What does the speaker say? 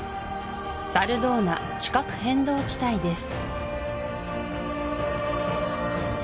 サルドーナ地殻変動地帯です